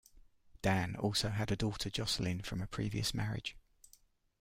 Dan also had a daughter, Jocelyn, from a previous marriage.